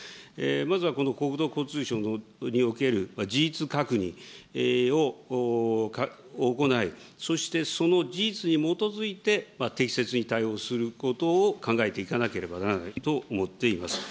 まずはこの国土交通省における事実確認を行い、そしてその事実に基づいて、適切に対応することを考えていかなければならないと思っています。